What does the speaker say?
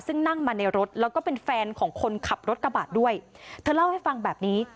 ซึ่งนั่งมาในรถแล้วก็เป็นแฟนของคนขับรถกระบะด้วยเธอเล่าให้ฟังแบบนี้